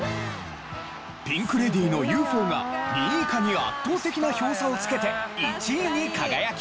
ピンク・レディーの『ＵＦＯ』が２位以下に圧倒的な票差をつけて１位に輝きました。